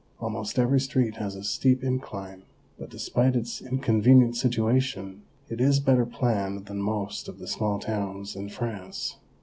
Almost every street has a steep incline, but despite its inconvenient situation it is better planned than most of the small towns in France.